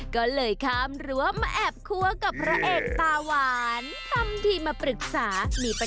ก็เลยค้ามรั้วมาแอบครัวกับพระเอกตาหวาน